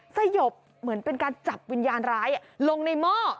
สยบเหมือนเป็นการจับวิญญาณร้ายลงในหม้อ